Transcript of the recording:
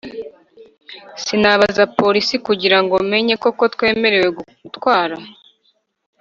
sinabaza polisi kugira ngo menye koko twemerewe gutwara